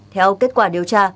theo kết quả điều tra